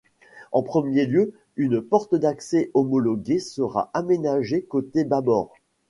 En premier lieu, une porte d'accès homologuée sera aménagée côté bâbord.